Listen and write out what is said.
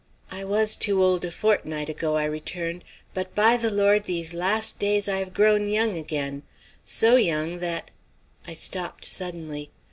"I was too old a fortnight ago," I returned, "but, by the Lord, these last days I have grown young again so young that " I stopped suddenly.